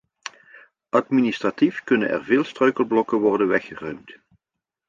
Administratief kunnen er veel struikelblokken worden weggeruimd.